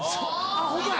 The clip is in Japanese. あぁホンマや。